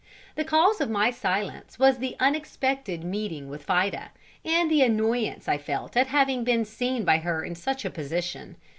The cause of my silence was the unexpected meeting with Fida, and the annoyance I felt at having been seen by her in such a position.